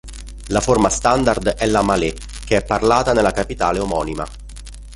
La forma standard è la malé, che è parlata nella capitale omonima.